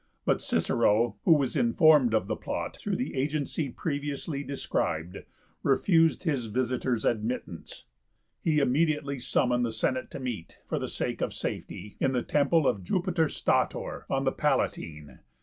But Cicero, who was informed of the plot through the agency previously described, refused his visitors admittance. He immediately summoned the Senate to meet, for the sake of safety, in the temple of Jupiter Stator on the Palatine.